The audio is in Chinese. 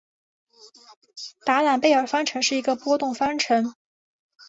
达朗贝尔方程是一个的波动方程。